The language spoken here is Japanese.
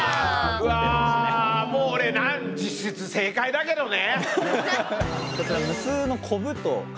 うわもう俺実質正解だけどね。